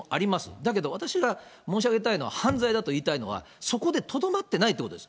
だけど私が申し上げたいのは、犯罪だと言いたいのは、そこでとどまってないということです。